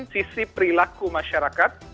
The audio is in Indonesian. sisi perilaku masyarakat